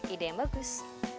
ide yang bagus